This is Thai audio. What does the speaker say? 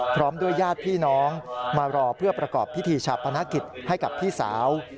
พร้อมด้วยญาติพี่น้องมารอเพื่อประกอบพิธีชาปนกิจให้กับพี่สาว